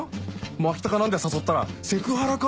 牧高なんて誘ったらセクハラか？